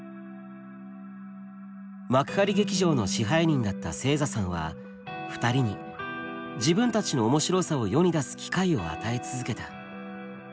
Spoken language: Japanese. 幕張劇場の支配人だった星座さんは２人に自分たちの面白さを世に出す機会を与え続けた。